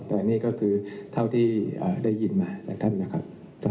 แต่นี่ก็คือเท่าที่ได้ยินมาจากท่านนะครับ